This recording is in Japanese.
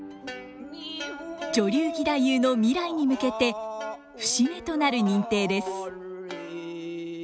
女流義太夫の未来に向けて節目となる認定です。